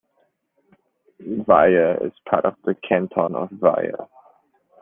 Vire is part of the canton of Vire.